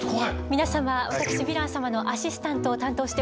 皆様私ヴィラン様のアシスタントを担当しております